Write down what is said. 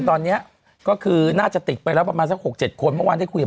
ตอนนี้ก็คือน่าจะติดไปแล้วประมาณสัก๖๗คนเมื่อวานได้คุยกับ